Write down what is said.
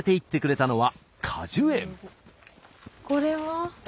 これは？